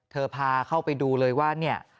พาเข้าไปดูเลยว่าเนี่ย